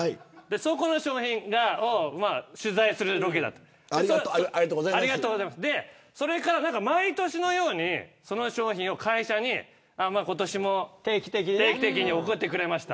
そこの商品を取材するロケだった毎年のように、その商品を会社に今年も定期的に送ってくれました。